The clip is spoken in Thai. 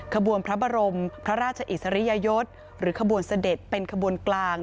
ขบวนพระบรมพระราชอิสริยยศหรือขบวนเสด็จเป็นขบวนกลาง